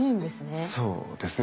そうですね。